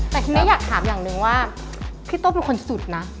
แต่ทีนี้อยากถามอย่างหนึ่งว่าพี่โต้เป็นคนสุดนะ